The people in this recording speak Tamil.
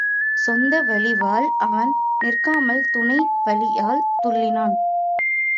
சொந்த வலிவால் அவன் நிற்காமல் துணை வலியால் துள்ளினான்.